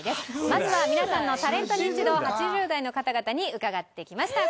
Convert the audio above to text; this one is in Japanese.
まずは皆さんのタレントニンチドを８０代の方々に伺ってきました。